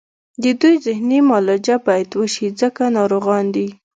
د دوی ذهني معالجه باید وشي ځکه ناروغان دي